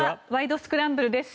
スクランブル」です。